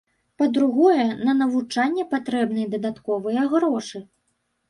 Па-другое, на навучанне патрэбныя дадатковыя грошы.